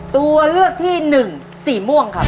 ตัวเลือกที่หนึ่งสีม่วงครับ